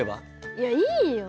いやいいよ。